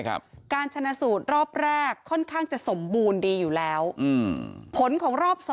การชนะสูตรรอบแรกค่อนข้างจะสมบูรณ์ดีอยู่แล้วอืมผลของรอบ๒